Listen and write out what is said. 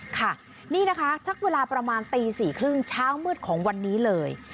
ค่ะนี่นะคะสักเวลาประมาณตี๔๓๐เช้ามืดของวันนี้เลย